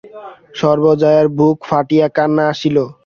সর্বজয়ার বুক ফাটিয়া কান্না আসিল।